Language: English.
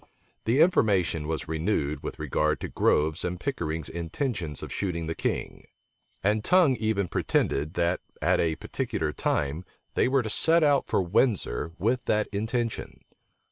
The information was renewed with regard to Grove's and Pickering's intentions of shooting the king; and Tongue even pretended, that, at a particular time, they were to set out for Windsor with that intention.